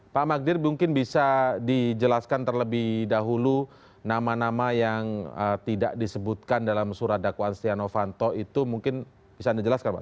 pak magdir mungkin bisa dijelaskan terlebih dahulu nama nama yang tidak disebutkan dalam surat dakwaan setia novanto itu mungkin bisa anda jelaskan pak